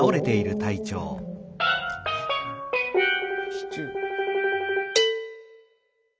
「シチュー」。